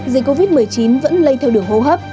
dịch covid một mươi chín vẫn lây theo đường hô hấp